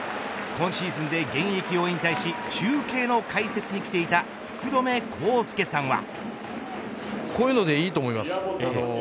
今シーズンで現役を引退し中継の解説に来ていた福留孝介さんは。